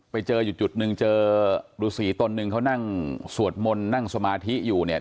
ไปเจออยู่จุดหนึ่งเจอรูสีตนหนึ่งเขานั่งสวดมนต์นั่งสมาธิอยู่เนี่ย